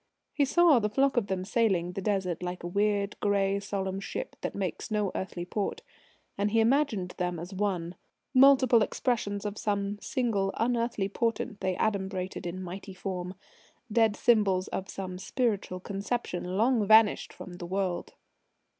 He saw the flock of them sailing the Desert like weird grey solemn ships that make no earthly port. And he imagined them as one: multiple expressions of some single unearthly portent they adumbrated in mighty form dead symbols of some spiritual conception long vanished from the world.